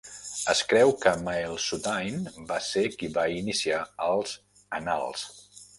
Es creu que Maelsuthain va ser qui va iniciar els "Annals".